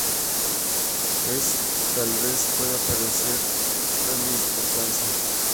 Eso tal vez pueda parecer un cambio sin importancia.